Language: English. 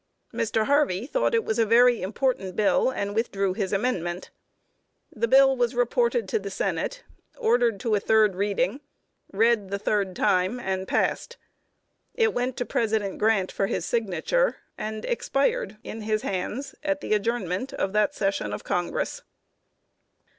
Mr. Harvey thought it was a very important bill, and withdrew his amendment. The bill was reported to the Senate, ordered to a third reading, read the third time, and passed. It went to President Grant for signature, and expired in his hands at the adjournment of that session of Congress.